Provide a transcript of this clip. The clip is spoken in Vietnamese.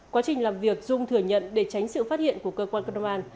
quá trình làm việc dung thừa nhận để tránh sự phát hiện của cơ quan công an